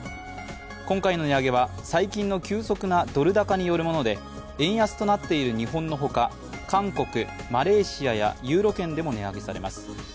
今回の値上げは最近の急速なドル高によるもので、円安となっている日本の他、韓国、マレーシアやユーロ圏でも値上げされます。